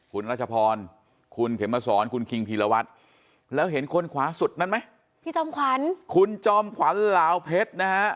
คุณรัชพรคุณเขมสอนคุณคิงพีรวัตรแล้วเห็นคนขวาสุดนั้นไหมพี่จอมขวัญคุณจอมขวัญเหลาเพชรนะฮะ